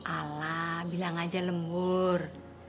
alah bilang aja lembur